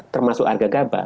termasuk harga gabah